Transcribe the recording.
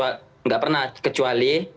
tidak pernah kecuali